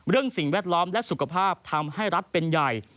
สิ่งแวดล้อมและสุขภาพทำให้รัฐเป็นใหญ่